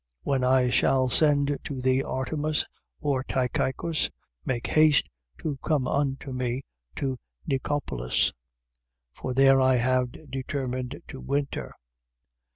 When I shall send to thee Artemas or Tychicus, make haste to come unto me to Nicopolis. For there I have determined to winter.